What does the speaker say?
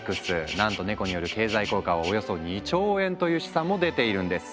なんとネコによる経済効果はおよそ２兆円という試算も出ているんです。